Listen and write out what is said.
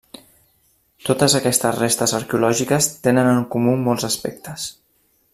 Totes aquestes restes arqueològiques tenen en comú molts aspectes.